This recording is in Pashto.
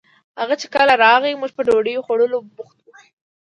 هغه چې کله راغئ موږ په ډوډۍ خوړولو بوخت وو